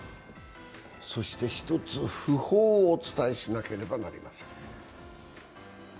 そして１つ訃報をお伝えしなければなりません。